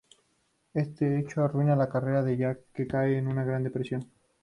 Este hecho arruina la carrera de Jack, que cae en una gran depresión.